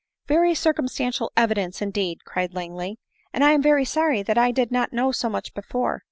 " Very circumstantial evidence, indeed !" cried Lang ley, " and I am very sorry that I did not know so much before.